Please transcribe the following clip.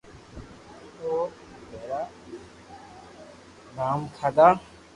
او ڀآرا بادوم کادا